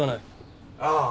ああ。